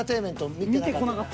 見てこなかった。